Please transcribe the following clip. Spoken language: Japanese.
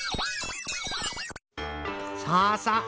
さあさあ